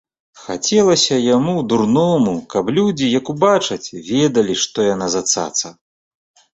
Хацелася яму, дурному, каб людзі, як убачаць, ведалі, што яна за цаца.